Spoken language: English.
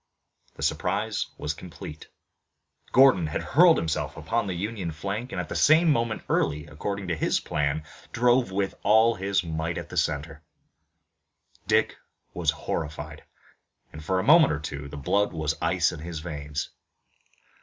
The surprise was complete. Gordon had hurled himself upon the Union flank and at the same moment Early, according to his plan, drove with all his might at the center. Dick was horrified, and, for a moment or two, the blood was ice in his veins.